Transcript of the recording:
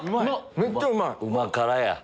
めっちゃうまい！